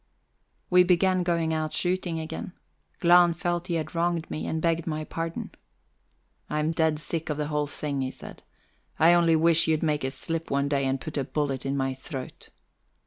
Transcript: IV We began going out shooting again. Glahn felt he had wronged me, and begged my pardon. "And I'm dead sick of the whole thing," he said. "I only wish you'd make a slip one day and put a bullet in my throat."